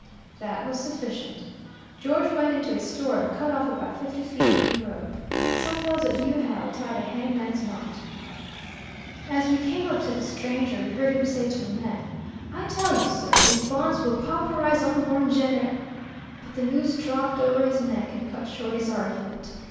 "That was sufficient. George went into a store and cut off about fifty feet of new rope. Some fellows that knew how tied a hangman's knot. As we came up to the stranger, we heard him say to a man, 'I tell you, sir, these bonds will pauperize unborn gener ' But the noose dropped over his neck, and cut short his argument.